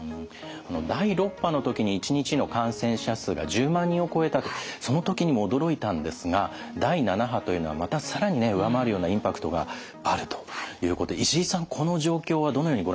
第６波の時に一日の感染者数が１０万人を超えたとその時にも驚いたんですが第７波というのはまた更に上回るようなインパクトがあるということで石井さんこの状況はどのようにご覧になってますか？